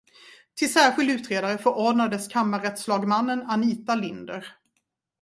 Till särskild utredare förordnades kammarrättslagmannen Anita Linder.